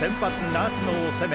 夏野を攻め